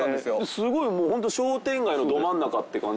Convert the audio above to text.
すごいもうホント商店街のど真ん中って感じしますね。